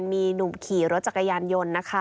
มีหนุ่มขี่รถจักรยานยนต์นะคะ